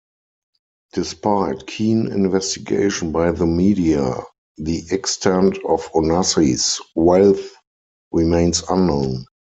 Despite keen investigation by the media, the extent of Onassis' wealth remains unknown.